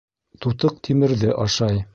Тутыҡ тимерҙе ашай.